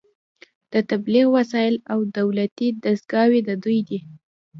د تبلیغ وسایل او دولتي دستګاوې د دوی دي